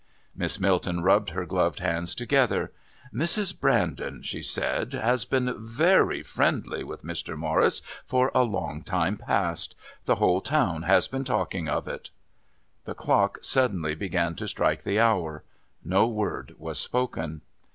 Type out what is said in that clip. Miss Milton rubbed her gloved hands together. "Mrs. Brandon," she said, "has been very friendly with Mr. Morris for a long time past. The whole town has been talking of it." The clock suddenly began to strike the hour. No word was spoken.